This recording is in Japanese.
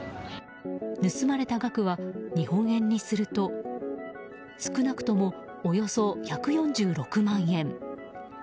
盗まれた額は、日本円にすると少なくとも、およそ１４６万円。